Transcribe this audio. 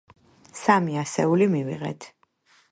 სამი ასეული მივიღეთ.